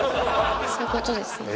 そういう事ですね。